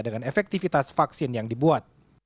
dengan efektivitas vaksin yang dibuat